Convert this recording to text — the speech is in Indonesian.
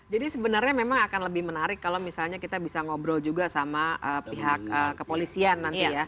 jadi sebenarnya memang akan lebih menarik kalau misalnya kita bisa ngobrol juga sama pihak kepolisian nanti ya